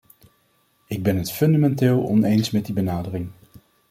Ik ben het fundamenteel oneens met die benadering.